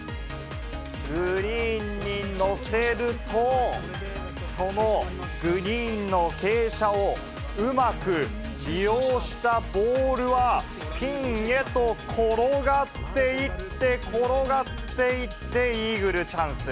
グリーンに乗せると、そのグリーンの傾斜をうまく利用したボールは、ピンへと転がっていって、転がっていって、イーグルチャンス。